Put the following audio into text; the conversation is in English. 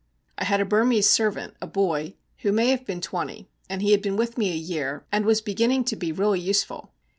I had a Burmese servant, a boy, who may have been twenty, and he had been with me a year, and was beginning to be really useful.